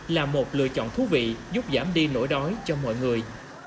là một lựa chọn thú vị giúp giảm đi nỗi đói cho mọi người